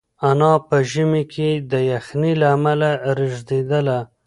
انا په ژمي کې د یخنۍ له امله رېږدېدله.